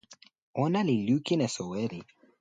ona li lukin e soweli.